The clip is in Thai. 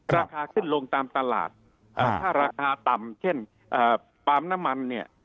ราคาขึ้นลงตามตลาดถ้าราคาต่ำเช่นปาล์มน้ำมันเนี่ย